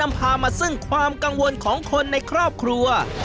พามาซึ่งความกังวลของคนในครอบครัว